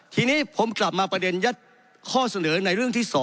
ทีนี้ผมกลับมาประเด็นยัดข้อเสนอในเรื่องที่๒